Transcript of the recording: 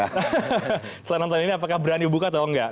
setelah nonton ini apakah berani buka atau enggak